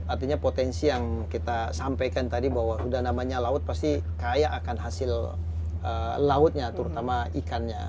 artinya potensi yang kita sampaikan tadi bahwa sudah namanya laut pasti kaya akan hasil lautnya terutama ikannya